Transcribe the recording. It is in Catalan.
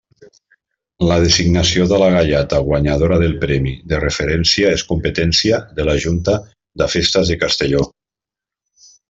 La designació de la gaiata guanyadora del premi de referència és competència de la Junta de Festes de Castelló.